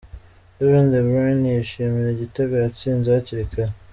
Kevin De Bryne yishimira igitego yatsinze hakiri kare.